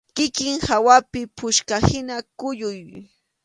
Kikin hawapi puchkahina kuyuy.